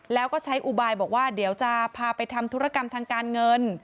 แล้วก็ใช้อุบายบอกว่าเดี๋ยวจะพาไปทำธุรกรรมทางการเงิน